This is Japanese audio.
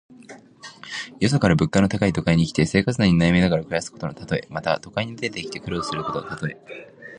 よそから物価の高い都会に来て、生活難に悩みながら暮らすことのたとえ。また、都会に出てきて苦学することのたとえ。